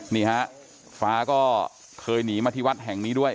นี่ฮะฟ้าก็เคยหนีมาที่วัดแห่งนี้ด้วย